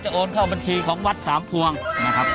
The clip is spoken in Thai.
โอนเข้าบัญชีของวัดสามพวงนะครับ